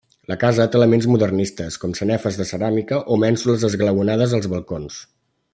La casa té elements modernistes, com sanefes de ceràmica o mènsules esglaonades als balcons.